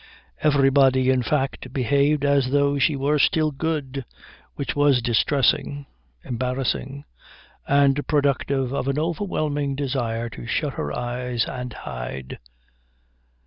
Everybody, in fact, behaved as though she were still good, which was distressing, embarrassing, and productive of an overwhelming desire to shut her eyes and hide.